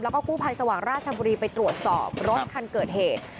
แล้วก็กู้ภัยสว่างราชบุรีไปตรวจสอบรถคันเกิดเหตุ